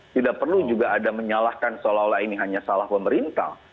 tidak perlu juga ada menyalahkan seolah olah ini hanya salah pemerintah